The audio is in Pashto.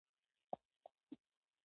هند د نړۍ یو له پخوانیو تمدنونو څخه دی.